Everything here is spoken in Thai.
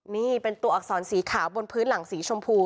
นี่เป็นตัวอักษรสีขาวบนพื้นหลังสีชมพู